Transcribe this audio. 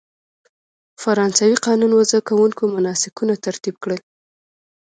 فرانسوي قانون وضع کوونکو مناسکونه ترتیب کړل.